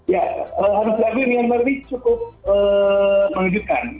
ya harus dari myanmar ini cukup mengejutkan